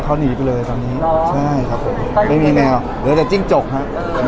เขาหนีไปเลยตอนนี้ใช่ครับผมไม่มีแนวเหลือแต่จิ้งจกฮะ